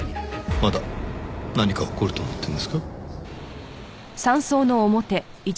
まだ何か起こると思ってるんですか？